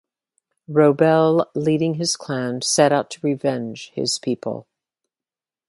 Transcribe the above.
Roble leading his clan set out to revenge his people.